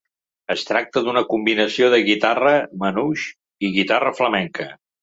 Es tracta d’una combinació de guitarra ‘manouche’ i guitarra flamenca.